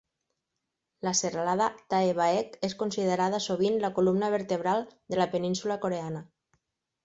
La serralada Taebaek és considerada sovint la columna vertebral de la península coreana.